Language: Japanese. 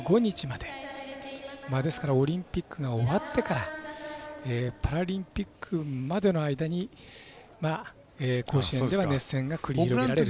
ですからオリンピックが終わってからパラリンピックまでの間に甲子園では熱戦が繰り広げられる。